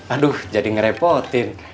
aduh jadi ngerepotin